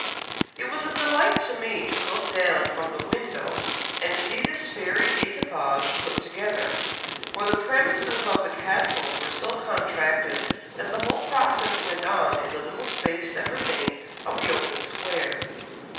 It was a delight to me to look down from the window and see this fairy equipage put together, for the premises of the castle were so contracted that the whole process went on in the little space that remained of the open square....